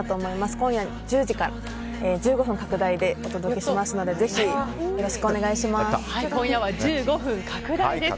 今夜１０時から１５分拡大でお届けしますので今夜は１５分拡大です。